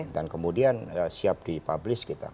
dan kemudian siap di publis kita